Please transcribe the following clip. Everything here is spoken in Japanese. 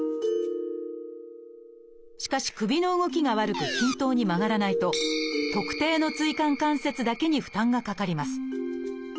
しかし首の動きが悪く均等に曲がらないと特定の椎間関節だけに負担がかかります。